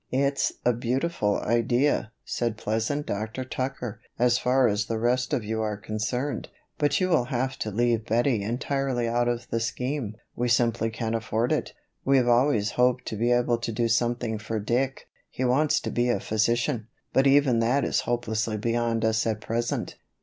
"It's a beautiful idea," said pleasant Dr. Tucker, "as far as the rest of you are concerned; but you will have to leave Bettie entirely out of the scheme; we simply can't afford it. We've always hoped to be able to do something for Dick he wants to be a physician but even that is hopelessly beyond us at present."